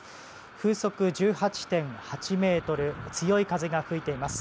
風速１８．８メートル強い風が吹いてます。